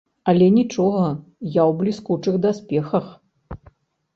Але нічога, я ў бліскучых даспехах!